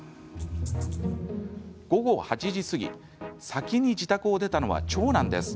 午後８時過ぎ先に自宅を出たのは長男です。